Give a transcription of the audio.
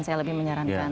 saya lebih menyarankan